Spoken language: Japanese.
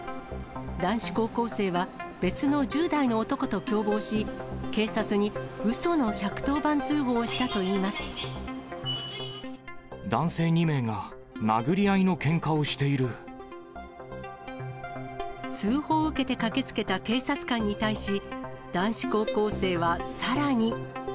男子高校生は、別の１０代の男と共謀し、警察にうその１１０番通報をしたといい男性２名が殴り合いのけんか通報を受けて駆けつけた警察官に対し、男子高校生はさらに。